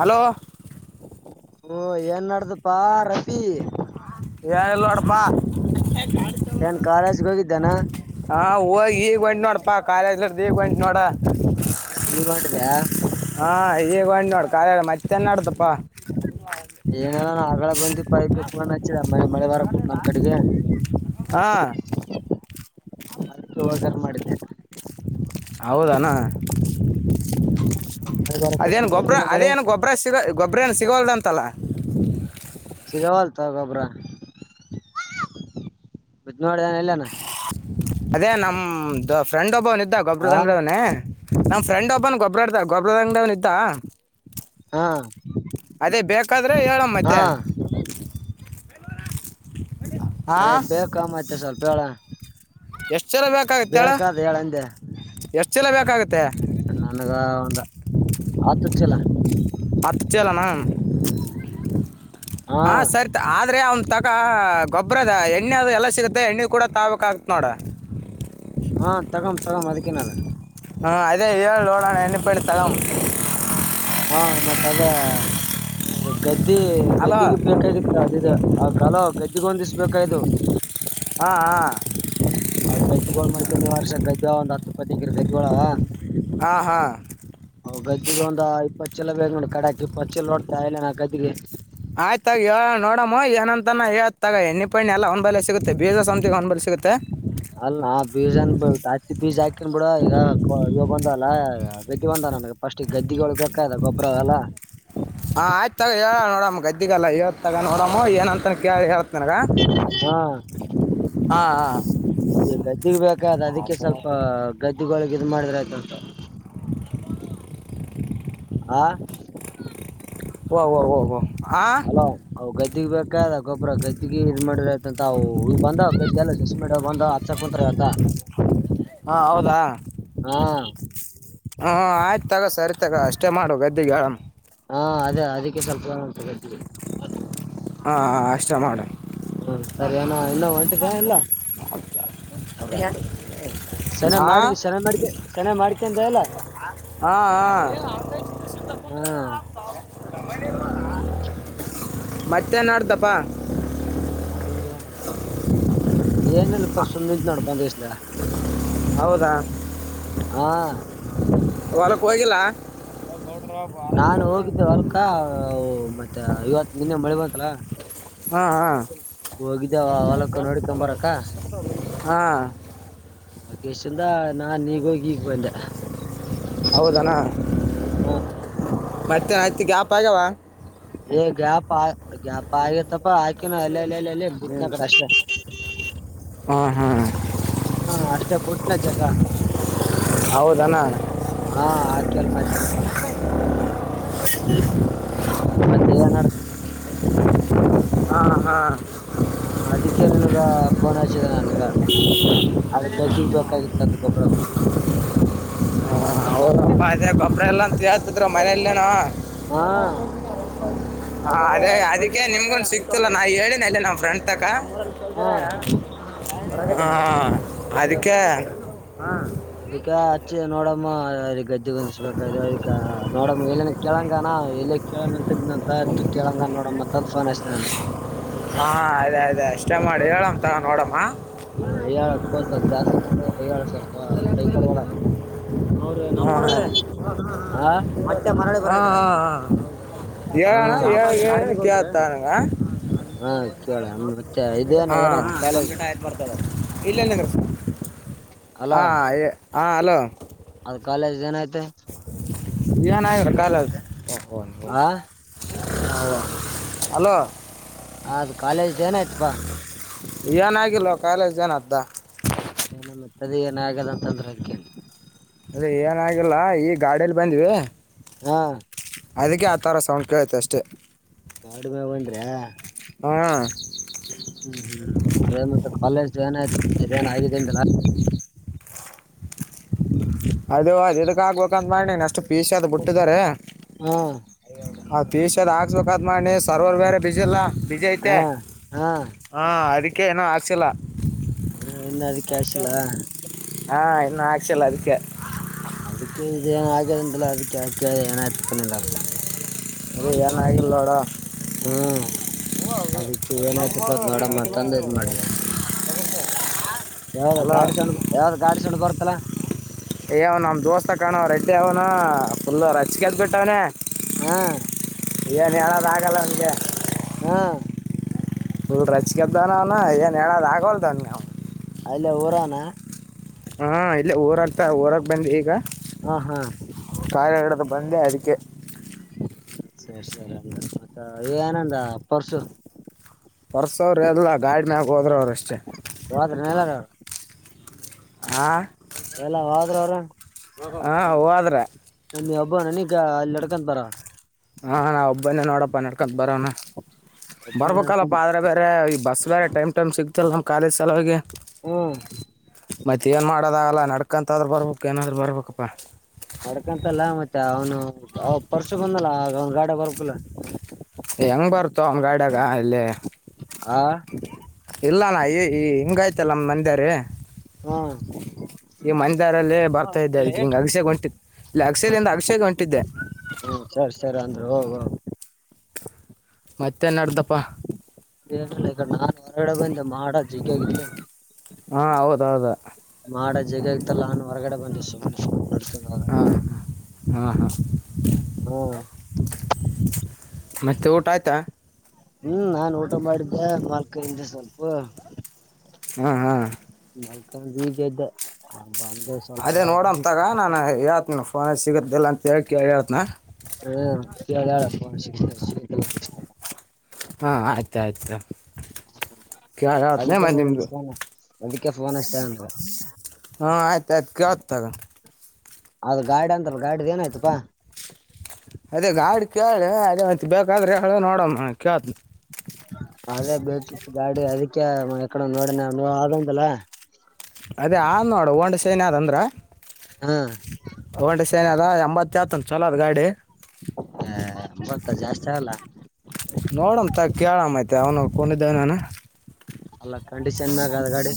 hello ಓ ಏನ್ ನ್ದಪ್ಪಾ ರಫಿ ಎನಿಲ್ ನೋಡಪ್ಪ ನ್ ಕಾಲೇಜ್ಗೆ ಹೋಗಿದ್ದಾನ ಹಾ ಹೋಗಿ ಈಗ ಒಂಟ್ ನೋಡಪಾ ಕಾಲೇಜ್ ದಗ ಒಂಟ ನೋಡ ಈಗ ಒಂಟಿದ ಹಾ ಈಗ ಒ ನೋಡ್ ಕ ಮತ್ತೆನ್ಾಡ್ದಪ್ಪ ಏನಲ್ಲ ನಾ ಹಗಳ ಬಂದಿ ಪಕ್ಕೆ ಪೂರ ನಚ್ಚಿದ ಮೆ ಮಳೆ ಬಾರ ಕೂತ್ ನಮ್ ಕಡೆಗೆ ಹಾ ಹವಾಗಾರ ಮಾಡಿದ್ದೆ ಹೌದನಾ ಮಳೆ ಬರಕೂತ್ ಅದೇನು ನಿಮ್ ಗೊಬ್ಬ್ರ ಕಡೆಗೆಲ್ಲ ಮಳೆ ಅದೇನು ಗೊಬ್ಬ್ರ ಸಿಗ ಗೊಬ್ಬರ ಏನು ಸಿಗೋಲ್ದಂತಲ್ಲ ಸಿಗಾವಲ್ತ ಗೊಬ್ರ ಬದ್ ಮಾಡೋಡದನ ಎಲ್ಲನ ಅದೇ ನಮ್ದ ಫ್ರೆಂಡ್ ಒಬ್ಬವನ್ದ ಆ ಗೊಬ್ಬ್ರದಂಗಡವನೇ ನಮ ಫ್ರಂಡ್ ಒಬ್ಬನ್ ಗೊಬ್ರಾಡ್ತ ಗೊಬ್ಬರದಂಗ ದವ್ನ ಇದ್ದ ಹಾ ಅದೇ ಬೇಕಾದ್ರೆ ಏಳಮ್ಮ ಹಾ ಮತ್ತೆ ಹಾ ಅದೇ ಬೇ ಕಾಮ ಆಯ್ತ ಸ್ವಲ್ಪ ಹೇಳ ಎಷ್ಟು ಚಲ ಬೇಕಾಗುತ್ತೆ ಹೇಳು ಬೇಕಾದ ಎಷ್ಟು ಜಲ ಬೇಕಾಗುತ್ತೆ ನನಗ ಒಂದ ಆತ್ತು ಹಚ್ಚಲ್ಲ ಹತ್ತು ಚಲನಾ ಹಾ ಹ ಸರಿತ ಆದ್ರೆ ಅವನ್ ತ ಗೊಬ್ಬರದ ಎಣ್ಣೆ ಅ ಎಲ್ಲ ಸಿಗುತ್ತೆ ಎಣ್ಣೆ ಕೂಡ ತಗೋಬೇಕಾಗುತ್ತೆ ನೋಡ ಹಾ ತಗಾಮ್ ತಗ್ ಅದಕ್ಕೆನಾನ ಹಾಂ ಅದೇ ಎಲ್ ನೋಡಣ ಎಣ್ಣೆ ಪ್ಯಾಕೆಟ್ ತೊಗೊಳೋಣ ಹಾ ಮತ್ತೆ ಅದೇ ಗದ ಗೆ ಅಲೋ ಗದ್ದಿಗೆ ಬೇಕಾಗಿತು ಅದಿದ ಆ ಕಾಲ ಗದ್ದಿಗೆ ಒಂದಿಸಬೇಕಾಯ್ತು ಹಾಂ ಹಂ ಅವವು ಗದ್ದುಗಳುಳ ಮಾಡ್ಕೊಂಡು ವರ್ಷ ಗದ್ದು ಒಂದ ಹತ್ಪ್ಪತ್ತಕಿರ ಗದ್ದುಗಳ ಹ ಹಾ ಹಾ ಗ್ದಗ ಒಂದು ಇಪ್ಪತ್ತು ಪಾತು ಚ್ಚೆಲ್ಲ ಬೇ ನೋಡಿ ಕಡಾಕಿ ಪಚ್ಚೆಲ್ ನೋಡ್ತಾ ಇಲ್ಲ ನಾ ಕದ್ರಿ ಆಯ್ತಾ ಆಗ ಹೇಳೋಣ ನೋಡಮ್ಮ ಏನಂತಾನ ತಗ ಎಣ್ಣೆ ಪಣ್ಣ ಎಲ್ಲ ಹಂಬಲೆ ಸಿಗುತ್ತೆ ಬೀಜ ಸಂಪಿಗೆ ಹಂಬಲಿ ಸಿಗುತ್ತೆ ಅಲ್ಲ ಬೀಜನ್ ಬೆಲ್ಟ್ ಹಾಕಿ ಬೀಜಾಕ್ ಆಗ್ತೀನಿ ಬಿಡೋ ಈಗ ಇವಾಗ ಬಂದಲ್ಲಾ ಗದ್ದಿ ಬಂದ ನನಗೆ ಪಫಸ್ಟ್ ಗದ್ದಿಗಳು ಬೇಕದ ಗೊಬ್ರ ಎಲ್ಲ ಹ್ಮ ಹಾ ಆಯ್ತ ತಗ ಹೇಳ ನೋಡಮ್ಮ ಗದ್ದಿಗೆಲ್ಲ ಇವತ್ ತಗ ನೋಡಮ್ಮ ಏನ ಅಂತ ಕೇಳಿ ಹೇಳ್ತೇನೆ ಹಾ ಹಾ ಹಾ ಈ ಗದ್ದಗ್ ಬೇಕ್ರ ಅದಕ್ಕೆ ಸ್ವಲ್ಪ ಗದ್ದಿಗೊಳಗೆ ಇದು ಮಾಡಿದ್ರೆ ಆಯ್ತಂತ ಆಾ ವ ವ ಅಲೋ ಅ ಗದ್ದಿಗ್ ಬೇಕ ಗೊಬ್ಬ ಅ್ರ ಗದ್ದಗಿಗೆ ಇ ಮಾಡ್ರ ಆಯತಂತ ಈ ಬಂದವ ಬೇಜಾನ್ ಶಶಿ ಮೇಡಂ ಬಂದ ಅಚ್ಚ ಕುಂತಾರ ಆತ ಹಾ ಹೌದಾ ಹಾ ಹ ಆಯ್ತು ತಗೋ ಸರಿ ಅಷ್ಟೇ ಮಾಡು ಗದ್ದಿಗ ಹಾ ಅದೇ ಅದಕ್ಕೆ ಸ್ವಲ್ಪ ಉಟ [inaudible] ಹಾಂ ಅಷ್ಟೇ ಮಾಡೋ ಹ್ಮ ಸರಿ ಅಣ್ಣ ಎಲ್ಲಾನು ಒಂಟಿದ್ಯ ಇಲ್ಲ ಹಾ ಸನೆ ಹಾ ಮಾಡಿದಿ ಸನೆ ಮಾಡ್ಕ ಸನೆ ಮಾಡ್ಕೊಂಡ ಇಲ್ಲ ಹಾ ಹ್ಮ ಮತ್ತೆನಾಡ್ತಪ್ಪ ಸುಳಿದ್ ನೋಡು ಬಂದಿದ್ದೀಯಾ ಹೌದಾ ಹಾ ಹೊಲಕ್ಕೆ ಹೋಗಿಲ್ಲ ನಾನು ಹೋಗಿದ್ದೆ ಒ ಲಕ್ಕ ಮತ್ತೆ ಇವತ್ತು ಇವತ್ತು ನಿನ್ನೆ ಮಳೆ ಬತ್ತಲ ಹಾ ಹಾ ಹೋಗಿದ್ದ ಅವಲಕ ನೋಡ್ಕೊಂಡ್ ಬರಕ್ಕ ಹಾ ಲೋಕೇಶ್ ಇಂದ ನಾನ್ ಈಗ ಹೋಗಿ ಈಗ್ ಬಂದೆ ಹೌದಣ ಹ್ಮ್ ಮತ್ತೆ ಹತ್ತು ಗ್ಯಾಪ್ ಆಗವಾ ಎ ಗಪ ಆ ಗಪ ಆಗೈ ತ್ತಪ್ಪಾ ಹಾಕಿನಿ ಅಲ್ಲ ಅಲ್ಲ ಅಲ್ಲ ಅಲ್ಲ ಬಿಟ್ಟನ ಕಡೆ ಅಷ್ಟೇ ಹಾ ಹಾ ಹಾ ಅಷ್ಟೇ ಬುಟ್ ನ ಚಟನಾ ಹೌದನ ಹಾ ಆಕಲ್ ಮತೆ ನಾನು ಹ ಮತ್ತೆ ಏನ್ಡ್್ದಾ ಹಾ ಹಾ ಹಾ ಅದಕ್ಕೆ ನನ್ಗ ೋನ್ ಹಚ್ಚಿದ ನನ್ಗ ಪಕ್ಕತ್ತ ತದು ಗೊಬ್ಬರ ಹ ಹೌಮ್ಮ ಅದೇ ಕಪ್ಡ ಎಲ್ಲಾ ಸೇತಕ್ರ ಮನೆಯಲ್ಲನ ಹಾ ಹಾ ಅದೇ ಅದಕ್ಕೆ ನಿಮ್ಗೊನ್ ಸಿತಿಲ್ಲ ನಾ ಹೇಳಿನನೆ ಅಲ್ಲಿ ನಮ್ಮ ಫ್ರಂಡ್ ತಕ ಹಾ ಹ ಅದಕ್ಕೆ ಅವಗ ಅಚ್ಚಿ ನೋಡಮ್ಮ ಗದ್ದೆಗೊಂದಿಸ್ಬೇಕ್ರ ಅವ ನೋಡಮ್ಮ ಎಲ್ಲಿನ ಕೆಳಂಗಾನ ಎಲ್ಲಿ ಕೆೇಳಂಗಂತ ಕೆಳಂಗ ನೋಡ ಮತ್ತಂತ ಫೋನ್ ಆ್ತ ನನ್ಗೆ ಹಾ ಅದ ಅದ ಹಳ ಪ ಜಸ್ ಮಾಡ ಕೈಯಾಳ ಸ್ವಲ್ಪ ಕೈಪಡುವಡ ನಮ ಆ ಮ ಮಾ ಏಣ ಹಾ ಳ ಏ ಕೇತಾನು ಕೇಳಿ ಹಾ ಕಪ್ಲೀಟ್ ಆಯ್ತು ಬರ್ತದೆ ಇಲ್ಲೆಲ್ಲ ಕೃಷ್ಣ ಅಲ್ಲಾ ಹಾ ಹಾ ಅಲೋ ಅದ್ ಕಾಲೇಜ್ ಏನೈತೆ ಏನ್ಾಗಿ್ರ ಕಾಲ ಅ ಓ ಆ ಹಲೋ ಅದು ಕಾಲೇಜ್ದ ಏನ ಆಯ್ತಪಾ ಏನಾಗಿಲ್ ಕಾಲೇಜ್ ಏನ್ದ ಏನ ಮತ್ತದ ಏನ ಆಗದ ಅಂತಂದ್ರೆ ಅದ್ಕೇನ್ ಅದ ಏನಾಗಿಲ್ಲ ಈ ಗಾಡಿಯಲ್ಲಿ ಬಂದ್ವಿ ಹಾ ಅದಕ್ಕೆ ಆ ತರ ಸೌಂಡ್ ಕೇಳೈತೆ ಅಷ್ಟೆ ಕಾಡುಮಂದ್ರೆ ಹಾಂ ಹ್ಮ್ ಹ್ಮ್ ಅದೇ ಮತ್ತೆ ಕಾಲೇಜ್ದ ಏನಾಯ್ತು ಏನ ಆಗಾಗಿದೆ ಅದು ಅದು ಇದಕ್ಕ ಆಗ್ಬೇಕಂತ ಮಾಡನಿ ಅಷ್ಟು ಪೀಶ ಅದು್ ಬಿಟ್ಟಿದಾರೆ ಹಾ ಹಾಕಿಸ್ಬೇಕಂತ ಮಾಡನಿ ಸರ್ವರ್ ಬೇರೆ ಬಿಜಿ ಅಲ್ಲ ಬಿಜಿ ಐತೆ ಹಾ ಹಾ ಹಾ ಅದಕ್ಕೆ ಏನೋ ಆಕ್ಸಿಲ್ಲ ಹ್ಮ ಇನ್ನ ಅದಕೆ ಹಾಕ್ಸಿಲ್ಲ ಹಾ ಇನ್ನು ಹಾಕ್ಸಿಲ್ಲ ಅದಕ್ಕೆ ಅದಕ್ಕೆ ಇದೇ ಏನ್ ಆಗಂಗಿಲ್ಲ ಅದಕ್ಕೆ ಕೇಳ ಏನಾಯ್ತು ನಿಂದ ಅಂತ ಇದು ಏನಾಗಿಲ್ಲ ನೋಡು ಹ್ಮ್ ಅದಕ್ಕೆ ಏನಾಯ್ತಪ್ಪ ನೋಡಮ್ಮ ಅಂತ ಇದ್ ಮಾಡ ಯಾವ್ದ ಅಲೋ ಗಾಡಿ ಸೊಂಡ್ ಯಾವ್ದ ಗಾಡಿ ಸೊಂಡ್ ಬರ್ತ್ತಲಾ ಏ ನಮ ದೋಸ್ತ ಕಾಣವ ರೆಡ್ಡಿ ಅವ್ನು ಫುಲ್ ರಜಿಕದ್ ಬಿಟ್ಟವನೆ ಹಾ ಏನು ಹೇಳನು ಆಗಲ್ಲ ಅಂದೆ ಹಾ ಹರು ರೊಚ್ಚಿಗೆದ್ದವನೇ ಅವನ ಏನ್ ಹೇಳೋದು ಆಗೋದು ಅವನಿಗೆ ಅಲ್ಲ ಊರಾನ ಹಾ ಇಲ್ಲ ಊರಕ್ತ ಊರಕ್ ಬಂದ ಈಗ ಹಾ ಹಾ ಕಾಯಿ ಇಡುದು ಬಂದ ಅದ ಹ ಸರಿ ಸರಿ ಅ ಮತ್ತ ಏನಂದ ಪರ್ಶು ಪರ್ಶು ಅವ್ರರು ಎಲ್ಲ ಗಾಡ ಮ್ಯಾಗ ಹೋದ್ರ ಅವರುಷ್ಟೇ ಹದ್ರ ಎಲ್ಲಾರ ಅವರು ಹಾಂ ಎಲ್ಲ ಹೋದ್ರ ಅವರು ಹಾ ಹೋದ್ರು ನಮ ಹಬ್ಬ ನನಗ ಅಲ್ಲಿ ನಡ್ಕೊಂತ ಬರ ಹಾ ನಾ ಒಬ್ಬನೇ ನೋಡಪ್ಪ ನೆಡ್ಕತ್ ಬರವನ ಒಬ್ಬ ನಡ್ಕೊಂಬ ಬರ್ಬೇಕಲ್ಲಪ್ಪಾ ಆದ್ರೆ ಬೇರೆ ಈ ಬಸ್ ಬೇರೆ ಟೈಮ್ ಟೈಮ್ ಸಿಗ್ತಲ್ಲ ನಮ್ ಕಾಲೇಜ್ ಸಲುವಿಗೆ ಹ್ಮ್ ಮತ್ತೆ ಏನ್ ಮಾಡೋದಾಗಲ್ಲ ನಡ್ಕಂತಾದ್ರರು ಬರ್ಬೇಕಕ್ ಏನಾದ್ರು ಬರ್ಬೇಕಪ್ಪಾ ನಡ್ಕಂತಲ್ಲ ಮತ್ತೆ ಅವನು ಅವ ಪರ್ಶು ಬಂದಲ್ಲ ಆ ಅವ್ನ್ ಗಾಡಗ ಬರಬೇಕಲ್ಲ ಹೆಂಗ್ ಬರ್ತೋ ಒನ ಗಾಡಾಗ ಅಲ್ಲಿ ಹಾ ಇಲ್ಲಾನಾಣ್ಣ ಈ ಈ ಹಿಂಗಾಯ್ತಲ್ಲ ನಮ್ಮ್ ಮಂದಾರಿ ಹ್ಮ್ ಈ ಮನೆ ದಾರಿಯಲ್ಲಿ ಬರ್ತಾ ಇದ್ದೆ ಅದ ಹಿಂಗ ಅಗಸ್ಯ ಹೊಂಟೀನಿ ಇಲ್ಲಿ ಹ್ಮ್ ಆಗಸ್ಯದಿಂದ ಆಗಸ್ಯ ಗೆ ಹೊಂಟಿದ್ದೆ ಹ್ಮ್ ಸರಿ ಸರಿ ಅಂದ್ರೆ ಹೋಗ ಹೋಗ ಮತ್ತೆ ಏನ್‌ನಡ್ಡಪ್ಪ ಹೇಳಿಲ್ಲ ಈಗ ನಾನನ್ ಹೊರಗಡೆ ಬಂದ ಮಾಡ ಜಿಗಗತ್ತು [unintelligible] ಹಾ ಹೌದೌದು ಅ ಜಗ ಇತ್ತಲ್ಲಾನು ಹೊರಗಡೆ ಬಂದ ಸು ಹಾ ಹಾ ಹಾ ಹಾ ಹ್ಮ್ ಮತ್ತೆ ಊಟ ಆಯ್ತಾ ಹ್ಮ್ ನಾನ್ ಊಟ ಮಾಡಿದ್ದೆ ಮಲ್ಕೂಂಡೆ ಸ್ವಲ್ಪ ಹ್ಮ್ ಹ್ಮ್ ಮಲ್ಕೂಂಡು ಈಗ ಏದ್ದೆ ಅದೇ ನೋಡೋನ್ ತಗ ನಾನ ಹೇಳ್ತ ಫೋನ ಸಿಗಿಲ್ಲ ಅಂತ ಹೇಳ್ ಕೇಳಿ ಹೇಳತ್ನಾ ಹ ಯ ಶ ಹಾ ಆಯ್ತ ಆಯ್ತು ಕೇಳಿ ಹೇಳ್ತೀನಿ ಅದಕ್ಕೆ ಮತ್ತೆ ನ ನಿಮ್ಮದು ಫೋನ್ ಅದಕ್ಕೆ ಫೋನ್ ಅಷ್ಟೇನೆಂತ ಹಾ ಆಯ್ತು ಆಯ್ತು ಕೆಳ್ತಿನಿ ತಗೋ ಅದು ಗಾಡ ಅಂದ್ರಲ ಗಾಡ್ದ ಏನಾಯ್ತಪಾ ಅದೇ ಗಾಡಿ ಕೇಳಿ ಅದೇ ಮತ್ತ ಬೇಕಾದ್ರೆ ಹೇಳ ನೋಡಮ್ಮ ಕೇಳುತ್ತಾನೆ ಅದೇ ಬೇಕಿತ್ತು ಗಾಡಿ ಅದಕ್ಕೆ ಏಕಡ ನೋಡನೆ ಅಂಗಂಗಿಲ ಅದೇ ಆ ನೋಡು ಹಂಡ ಸ್ಯೆನ್ದ ಅಂದ್ರ ಹಾ ಹಂಡ ಸೈನ್ ಹ ಎಂಬತ್ತ ಆತ ಚಲೋ ಅದು ಗಾಡಿ ಏ ಎಂಬತ್ತ ಜಾಸ್ತಿ ಆಗಲ್ಲ ನೋಡನ್ಂತ ಕೇಳ್ಐತೆ ಅವನು ಕೊಂಡಿದ್ದವನಾನ ಅಲ್ಲ ಕಂಡೀಷನ್ ಮೇ ಆಗದ ಗಾಡಿ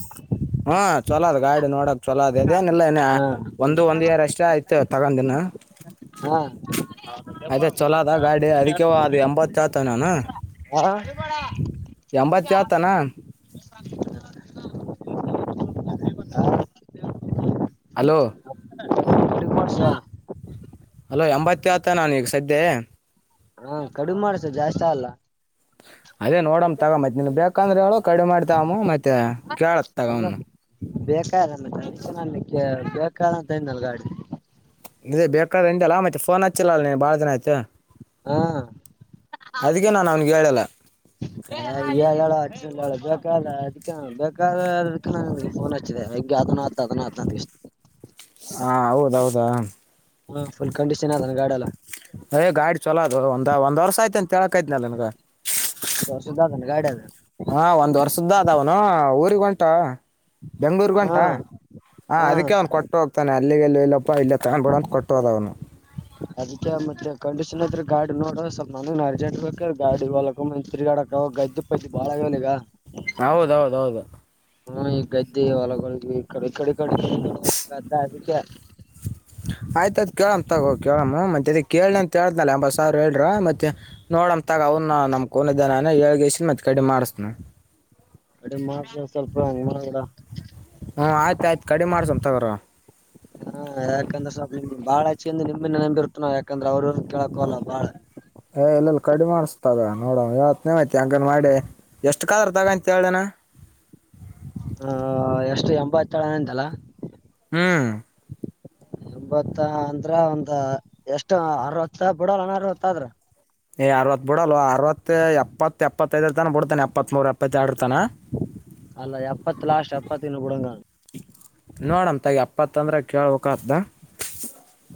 ಚಲೋದ್ ಗಾಡಿ ನೋಡಕ್ ಚಲೋದ್ ಅದೇನ ಇಿಲ್ಲ ಹಾ ಒಂದು ಒಂದ್ ಇಯರ್ ಎಷ್ಟ ಆಯಐತ ತಗೊಂಡಿನ ಹಾ ಅದ ಗಾಡಿ ಅದಕ್ಕೆ ಅದು ಎಂಬತ್ತು ಆತ ಹೌ ಎಂಬತ್ತ ಆತನಾ ಬಕಿ ಹಲೋ ಕಡಿಮೆ ಮಾಡ್ಸ ಹಲೋ ಎಂಬತ್ ಆಾವತ ನಾನೀಗ ಸದ್ಯೆ ಹಾ ಕಡುಮ ಮಾಡಸ ಜಾಸ್ತಿ ಅಲ್ಲ ಅದೇ ನೋಡಮ್ಮ ತಗ ಮತ್ತತ್ ನಿನ್ ಬೇಕಂದ್ರೆ ಹೇಳು ಕಡಿಮ ಮಾಡತಾವಮ್ಮ ಮತ್ತೆ ಕೇಳತ್ ತಗನು ಬೇಕಾಯಲ್ಲ ಬೇಕಾದ ಅಂತಿಂದಲ್ ಗಾಡಿ ಇೇ ಬೇಕಾದ್ರಂಟಲ್ಲ ಮತ್ತೆಫೋನ್ ಹಚ್ಚಿಲ್ಲ ಅಲ್ಲ ನೀ ಭಾಳ ದನ ಆಯತು ಹಾ ಅದಕ್ಕೆ ನಾನು ಅವನಿಗೆ ಹೇಳಲ್ಲ ಹ ಇಗಳ ಅ ಬೇಕಾದ ಅದಕ್ಕೆ ಬೇಕಾದ ಅದ ಫೋನ್ ಹಚ್ಚಿದೆ ಹಗೆ ಅದ ಆತ ಅದನ್ನ ಆತ ಅಂತ ಇಷ್ಟು ಹಾ ಹೌದೌದಾ ಹಾಫುಲ್ ಕಂಡಡಿಷನ್ ಅದ ಗಾಡಲ್ಲ ಯ್ ಗಾಡಿ ಚಲೋದು ಒಂದ್ ಒಂದ ವರ್ಷ ಆಯ್ತ ಅಂತ ಹೇಳಕೈ್ನಲ್ಲ ನನ್ಗ ಒಂದ್ ವರ್ಷದ ಅದನ ಗಾಡಿ ಅದ ಹ ಒಂದ್ ವರ್ಷದ್ದ ಅದ ಅವನು ಊರಿಗ ಉಂಟ ಬೆಂಗ್ಳೂರ್ ಗಂಟ ಹಾ ಹಾ ಅದಕ್ಕೆ ಅವ್ನು ಕೊಟ್ಟು ಹೋಗ್ತಾನೆ ಇಲ್ಲಿಗೆಲ್ಲ ಎಲ್ಲಪ್ಪ ಇಲ್ಲ ತಗೊಂಡಬಡೋಂತ ಕೊಟ್ಟೋದ ಅವನು ಅದಕ್ಕೆ ಮತ್ತೆ ಕಂಡೀಷನ್ ಹತ್ರೆ ಗಾಡಿ ನೋಡ ಸ್ವಲ್ ನನ ಅರ್ಜೆಂಟ್ ಬೇಕ ಗಾಡಿ ಹೊಕ ಮ ಕಡಕ ಗದ್ದು ಪೈಿ ಬಾಳಾಗವನ ಈಗ ಹೌದೌದೌದು ಹ್ಮ ಈ ಗದ್ದೆ ಹೊಲಗ ಈ ಕಡೆ ಈ ಕಡೆ ಕಡೆ್ದ ಅದಕ್ಕೆ ಆಯ್ತಾಯಯ್ತ್ ಕೇಳಮ್ ತಗೋ ಕೇಳ್ ಮತ್ತ ಕೇಳ ಅಂತ ಕೇಳನ ಎಂಬತ್ ಸಾವರ ಹೇಳ್ರ ಮತ್ತೆ ನೋಡಮ ತಗೋ ಅವ್ನ ನಮ್ ಕೋಿದ್ದಾನ ಎಳ್ಗಸನ್ ಮತ್ ಕಡೆ ಮಾಡಸನ ಕಡೆ ಮಾತ್ರ ಸ್ವಲ್ಪರಗಡ ಹ್ಞೂ ಆಯ್ತು ಆಯ್ತು ಕಡಿಮೆ ಮಾಡ್ಸಮ್ ತಗೋರ ಹಾ ಯಾಕಂದ್ರೆ ಸ್ವಲ್ ಬಾಳ ಆಚೆಿಂದ ನಿಂಬೆ ನಂಬಿ ಇರ್ತನ ಯಾಕಂದ್ರೆ ಅವ್ರ ಕೇಳಕಲ್ಲ ಬಾಳ ಏ ಎಲ್ಲೆಲ್ಲಿ ಕಡಿಮ ಮಾಡಸ ತಗ ನೋಡ ಇವತ್ನೇ ಆಐ್ತಿ ಹಂಗನ್ ಮಾಡಿ ಎಷ್ಟು ಕಾಲರ್ ತಗ ಅಂತ ಹೇಳ್ದೇನ ಹ ಎಷ್ಟು ಎಂಬತ್ತೇಳನಂತಲ್ಲ ಹ್ಮ್ ಎಂಬತ್ತ ಅಂದ್ರ ಒಂದ ಎಷ್ಟು ಅರವತ್ತು ಬಿಡಲ್ಲ ಅನರ್ವತ್ತ ಆದ್ರ ಏ್ ಅವತ್ ಬಿಡಲ್ವ ಅರವತ್ ಎಪ್ಪತ್ ಎಪ್ಪತ್ತೈದರ್ ತನ ಬಿಡ್ತಾನೆ ಎಪ್ಪತ್ತ್ ಮೂರ ಎಪ್ಪತ್ತರ ಅಲ್ಲ ಎಪ್ಪತ್ತು ಲಾಸ್ ಎಪ್ಪತ್ತ ಇನ್ನುೂ ಕೊಡಂಗ ನೋಡಮ ತಗ ಎಪ್ಪತ್ತಂದ್ರೆ ಕೇಳ್ಬೇಕ್ದ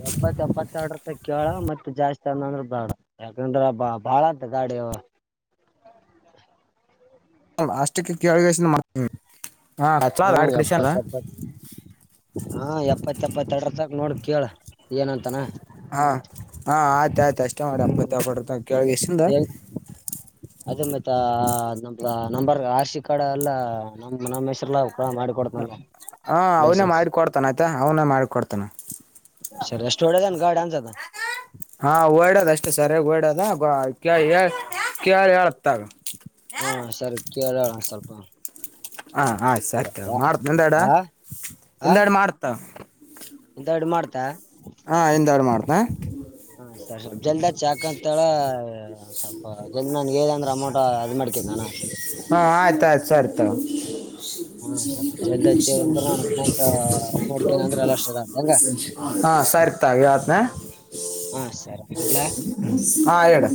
ಎಪ್ಪತ್ತ ಎಪ್ಪತ್ತೆರಡು ರೂಪಾಯಿ ಕೇಳ ಮತ್ತ ಜಾಸ್ತಿ ಚಂದ ಅಂದ್ರ ಬಾಡ ಯಾಕಂದ್ರ ಬ ಬಾಳ ಅಂತ ಗಾಡಿ ಆಸ್ಟ್ರಿಕ ಕೀಳ ವಸಿಂದ ಮ ಹ್ಮ ಎಪ್ಪತ್ತ ಎಪ್ಪತ್ ಹಾ ಎಪ್ಪತ್ ಇತ್ತಪ್ಪತ್ತ ಎಡರ ತಕ ನೋಡ್ ಕೇಳ ಏನಂತಾನ ಹಾ ಹಾ ಆಯ್ತ ಆಯ್ತು ಅಷ್ಟೇ ಮಾಡಿ ಅಪ್ಪತ್ತ ಕೊಡತು ಅದೇ ಮತ್ತ ನರ್ ಆಶಿ ಕಾಡ ಎಲ್ಲ ನಮ್ಮ್ ನಮ್ಮ್ ಹೆಸರುಲಾ ಹ ಹ ಅವನೇ ಮಾಡಿಿಕ ಕೊಡ್ತಾನ ಆಯ್ತಾ ಅವನೇ ಮಾಡಿಿಕೊಡ್ತಾನ ಸರಿ ಎಷ್ಟು ಒಳ್ಳದನ್ ಗ ಡಾನ್ಸ್ ಅದ ಹಾ ಓಡ್ಯದ ಅಷ್ಟೇ ಸರಿಯಾಗಿ ಓಡ್ಯದ ಕೇಳ ಹೇಳತ್ತಗ ಹಾ ಸರಿ ಕೇಳೋಣ ಸ್ವಲ್ಪ ಹಾ ಆಯ್ ಸತ್ಯ ಮಾಡತ ಎಂದಾಡ ಆ ಆ ಹಿಂದಾಡು ಮಾಡ್ತ ಇಂತ ಇಡ್ ಮಾಡ್ತಾ ಹಾ ಎಂದಾಡು ಮಾಡ್ತಾ ಸ ಸ್ವಲ್ಪ ಜಲ್ದ ಚಾಕ್ ಅಂತೇಳ ಸ್ವಲ್ಪ ಜಲ್ದಿ ನನ್ ಹೇಳ ಅಂದ್ರೆ ಅಮೌಂಟ್ ಅದ್ ಮಾಡ್ಕೇನಿ ನಾನ ಹಾ ಆಯ್ತ ಆಯ್ತು ಸರಿತ ಹಾ ಸ್ವಲ್ಪ ಜಲ್ದಿ ಹಚ್ಚಿ ಷ ಅಂದ್ರ ನಾನು ಅಮೌಂಟ್ ಮಾಡ್ಕೇನಿ ಅಂದ್ರ ಎಲ್ಲ ಅಷ್ಟ ಅದ ಹೆಂಗ ಹಾ ಸರಿರ್ತಾವ ಯತ್ನ ಹಾ ಸರಿ ಹೇಳಲ ಹಾ ಹೇಳ